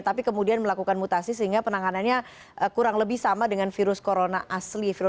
tapi kemudian melakukan mutasi sehingga penanganannya kurang lebih sama dengan virus corona asli